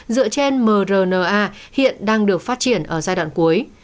dựa trên mrna hiện đang được phát triển ở giai đoạn cuối